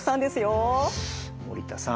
森田さん